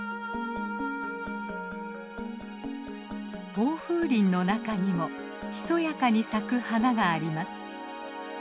防風林の中にもひそやかに咲く花があります。